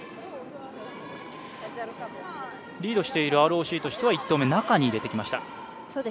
リードしているＲＯＣとしては１投目、中に入れてきました。